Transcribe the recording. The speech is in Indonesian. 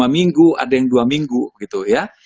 dua minggu ada yang dua minggu gitu ya